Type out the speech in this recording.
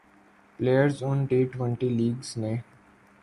players in T twenty leagues نے